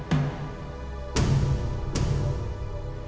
tidak ada yang bisa ngeliat elsa